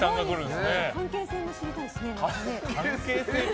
関係性も知りたいしね。